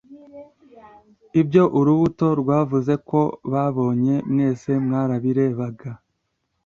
ibyo urubuto rwavuze ko babonye, mwese mwarabirebaga